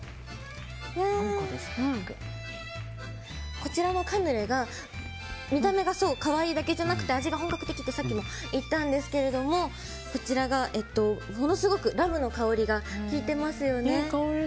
こちらのカヌレは見た目が可愛いだけじゃなくて味が本格的とさっきも言ったんですがこちら、ものすごくラムの香りがきいていますよね。